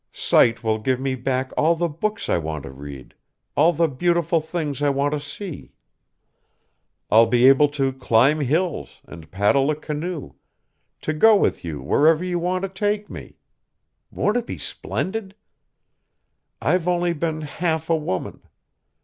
Sight will give me back all the books I want to read, all the beautiful things I want to see. I'll be able to climb hills and paddle a canoe, to go with you wherever you want to take me. Won't it be splendid? I've only been half a woman.